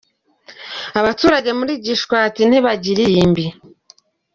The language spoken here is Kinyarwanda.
Abaturage muri Gishwati ntibagira irimbi